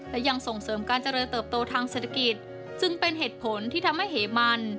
และยังส่งเสริมการเจริญเติบโตทางเศรษฐกิจจึงเป็นเหตุผลที่ทำให้เหมัน